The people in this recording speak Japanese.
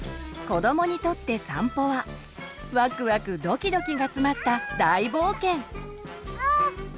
子どもにとって散歩はワクワク・ドキドキが詰まった大冒険。